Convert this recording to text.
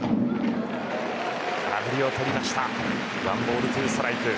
１ボール１ストライク。